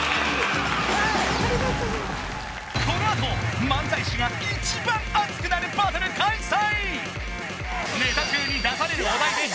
このあと漫才師が一番熱くなるバトル開催！